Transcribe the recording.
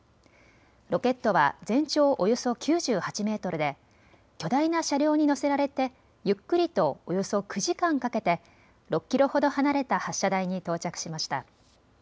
ロケットは全長およそ９８メートルで巨大な車両に載せられてゆっくりとおよそ９時間かけて６キロほど離れた発射台に到着しました。